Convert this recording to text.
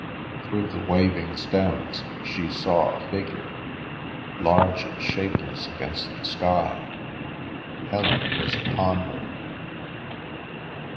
Through the waving stems she saw a figure, large and shapeless against the sky. Helen was upon her.